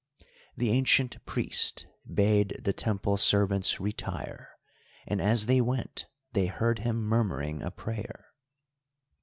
The ancient priest bade the Temple servants retire, and as they went they heard him murmuring a prayer.